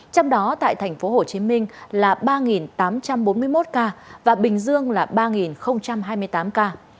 trong đó tại tp hcm là ba tám trăm bốn mươi một ca và bình dương là ba hai mươi tám ca